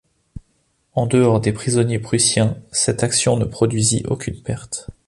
En dehors des prisonniers prussiens, cette action ne produisit aucune perte.